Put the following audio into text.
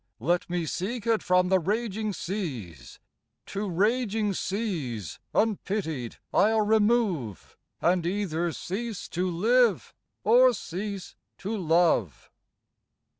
let me seek it from the raging seas: To raging seas unpitied I'll remove; And either cease to live or cease to love.